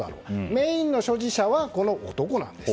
メインの所持者はこの男なんです。